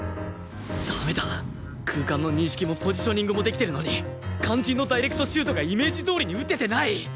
駄目だ空間の認識もポジショニングもできてるのに肝心のダイレクトシュートがイメージどおりに撃ててない